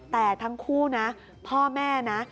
แต่ทั้งคู่นะพ่อแม่นะ